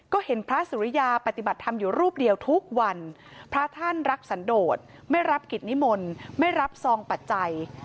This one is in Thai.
ก็เห็นพระสุริยาปฏิบัติธรรมอยู่รูปเดียวทุกวันพระท่านรักสันโดดไม่รับกิจนิมนต์ไม่รับซองปัจจัย